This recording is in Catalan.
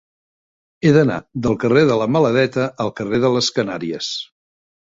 He d'anar del carrer de la Maladeta al carrer de les Canàries.